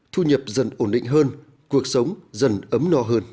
thu nhập dần ổn định hơn cuộc sống dần ấm no hơn